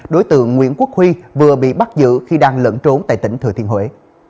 đối tượng nguyễn quốc huy vừa bị bắt giữ khi đang lẫn trốn tại tỉnh thừa thiên huế